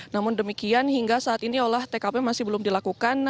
namun demikian hingga saat ini olah tkp masih belum dilakukan